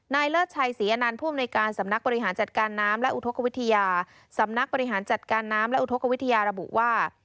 เลิศชัยศรีอนันต์ผู้อำนวยการสำนักบริหารจัดการน้ำและอุทธกวิทยาสำนักบริหารจัดการน้ำและอุทธกวิทยาระบุว่า